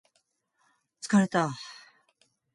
もう疲れた